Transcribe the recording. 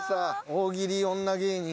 大喜利女芸人